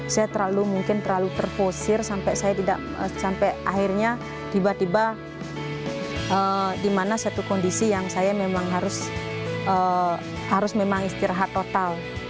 saya terlalu mungkin terlalu terfosir sampai saya tidak sampai akhirnya tiba tiba di mana satu kondisi yang saya memang harus memang istirahat total